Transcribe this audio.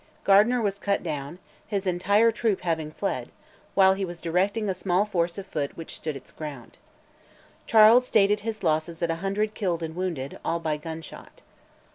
Gardiner was cut down, his entire troop having fled, while he was directing a small force of foot which stood its ground. Charles stated his losses at a hundred killed and wounded, all by gunshot.